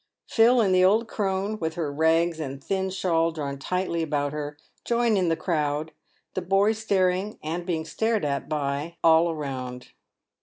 Phil and the old crone, with her rags and thin shawl drawn tightly about her, join in the crowd, the boy staring and being stared at by all around. 76 PAYED WITH GOLD.